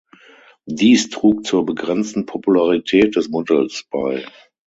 Dies trug zur begrenzten Popularität des Modells bei.